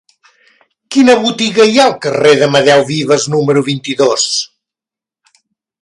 Quina botiga hi ha al carrer d'Amadeu Vives número vint-i-dos?